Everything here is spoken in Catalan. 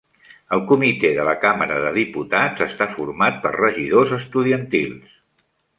El comitè de la Càmara de Diputats està format per regidors estudiantils.